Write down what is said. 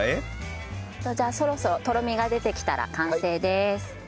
そろそろとろみが出てきたら完成です。